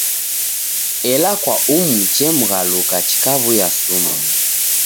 Ela kwa umu chemghaluka chikaw'uya sumu.